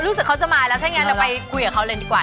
รู้สึกเขาจะมาแล้วถ้างั้นเราไปคุยกับเขาเลยดีกว่า